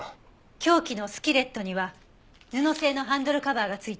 凶器のスキレットには布製のハンドルカバーが付いていました。